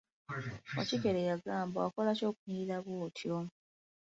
Wakikere yagamba, wakola ki okunyirira bw'otyo?